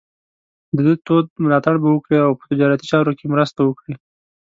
د ده تود ملاتړ به وکړي او په تجارتي چارو کې مرسته وکړي.